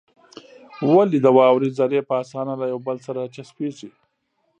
ولې د واورې ذرې په اسانه له يو بل سره چسپېږي؟